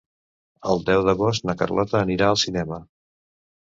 El deu d'agost na Carlota anirà al cinema.